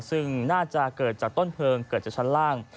ซึ่งน่าจะเกิดจากต้นเพลิงเกิดจากชั้นล่าง